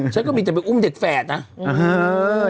ฉันก็มีแต่ไปอุ้มเด็กแฝดนะ